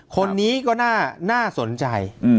คนนี้ก็น่าสนใจ